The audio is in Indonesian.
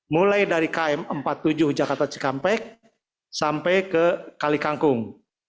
mulai dari km empat puluh tujuh jakarta cikampek sampai ke kali kangkung